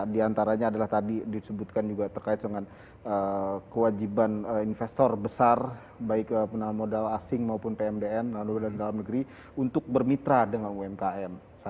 di antaranya adalah tadi disebutkan juga terkait dengan kewajiban investor besar baik modal asing maupun pmdn dan modal dalam negeri untuk bermitra dengan umkm